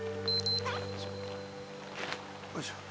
よいしょ